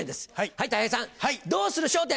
はいたい平さんどうする笑点！